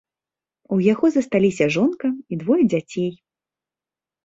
У яго засталіся жонка і двое дзяцей.